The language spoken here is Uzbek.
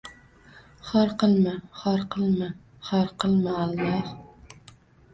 Xor qilma, xor qilma, xor qilma, Alloh…